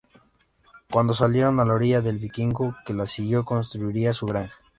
Cuando salieron a la orilla, el vikingo que las siguió construiría su granja.